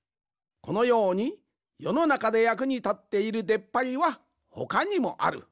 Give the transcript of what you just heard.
このようによのなかでやくにたっているでっぱりはほかにもある。